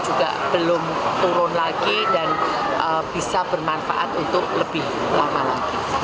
juga belum turun lagi dan bisa bermanfaat untuk lebih lama lagi